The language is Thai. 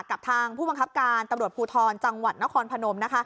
กับทางผู้บังคับการตำรวจภูทรจังหวัดนครพนม